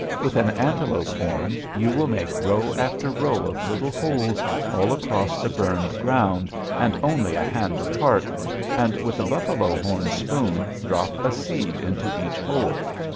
With an antelope horn you will make row after row of little holes all across the burned ground and only a hand apart, and with a buffalo horn spoon drop a seed into each hole.